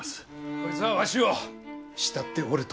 こいつはわしを慕っておると。